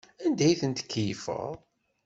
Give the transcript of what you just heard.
Anda ay tettkeyyifeḍ?